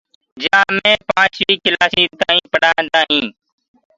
جِرا مي پانچوين ڪلاسي تائينٚ پڙهاندآ هينٚ